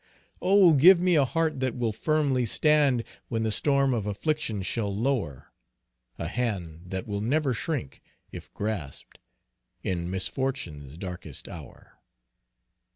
"Oh give me a heart that will firmly stand, When the storm of affliction shall lower A hand that will never shrink, if grasped, In misfortune's darkest hour."